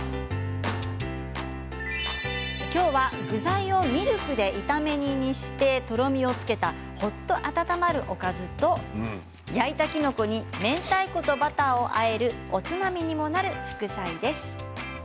今日は具材をミルクで炒め煮にしてとろみをつけたほっと温まるおかずと焼いたきのこにめんたいことバターをあえるおつまみにもなる副菜です。